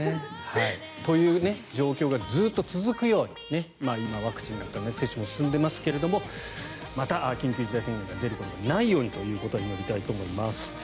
という状況がずっと続くように今ワクチンなんかも接種も進んでいますがまた緊急事態宣言が出ることがないようにということを願いたいと思います。